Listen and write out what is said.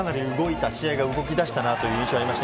試合が動き出したなという印象がありました。